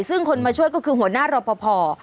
ซึ่งคนมาช่วยก็คือหัวหน้ารอปภ